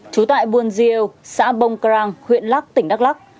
trú tại buôn gieu xã bông crang huyện lắc tỉnh đắk lắc